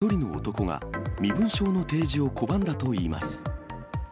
すると一人の男が、身分証の提示を拒んだといいます。